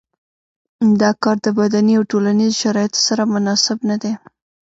دا کار د بدني او ټولنیزو شرایطو سره مناسب نه دی.